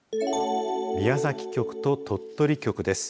宮崎局と鳥取局です。